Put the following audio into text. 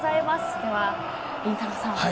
では、りんたろー・さん